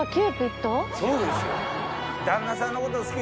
そうですよ。